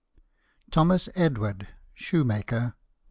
THOMAS EDWARD, SHOEMAKER.